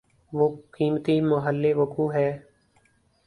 وہ قیمتی محل وقوع ہے۔